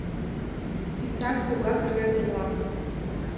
Изак-кугак рвезе-влак